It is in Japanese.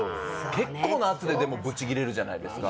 結構な圧ででもブチギレるじゃないですか